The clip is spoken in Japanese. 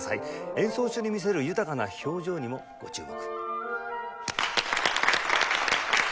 演奏中に見せる豊かな表情にもご注目。